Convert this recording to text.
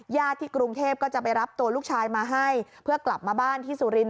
ที่กรุงเทพก็จะไปรับตัวลูกชายมาให้เพื่อกลับมาบ้านที่สุรินท